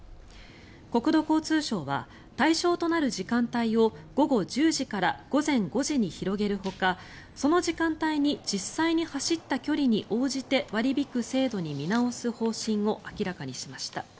国土交通省は対象となる時間帯を午後１０時から午前５時に広げるほかその時間帯に実際に走った距離に応じて割り引く制度に見直す方針を明らかにしました。